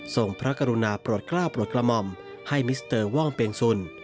พระกรุณาโปรดกล้าวโปรดกระหม่อมให้มิสเตอร์ว่องเปงสุน